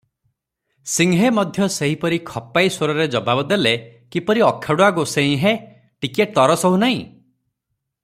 ସିଂହେ ମଧ୍ୟ ସେହିପରି ଖପାଇ ସ୍ୱରରେ ଜବାବ ଦେଲେ, "କିପରି ଅଖାଡ଼ୁଆ ଗୋସେଇଁ ହେ, ଟିକିଏ ତର ସହୁନାହିଁ?"